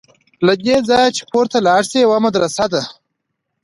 له دې ځایه چې پورته لاړ شې یوه مدرسه ده.